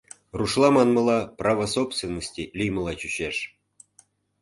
Рушла манмыла, «право собственности» лиймыла чучеш.